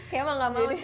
emang gak mau sih